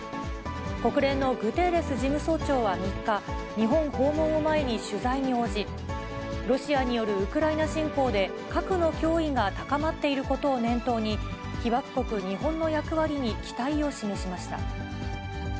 国連のグテーレス事務総長は３日、日本訪問を前に取材に応じ、ロシアによるウクライナ侵攻で核の脅威が高まっていることを念頭に、被爆国、日本の役割に期待を示しました。